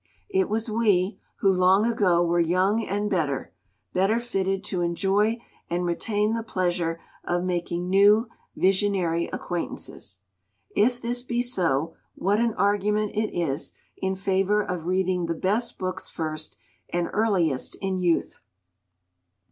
It was we who, long ago, were young and better, better fitted to enjoy and retain the pleasure of making new visionary acquaintances. If this be so, what an argument it is in favour of reading the best books first and earliest in youth!